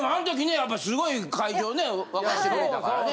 やっぱすごい会場ね沸かしてくれたからね。